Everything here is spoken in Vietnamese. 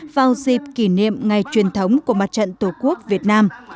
vào dịp kỷ niệm ngày truyền thống của mặt trận tổ quốc việt nam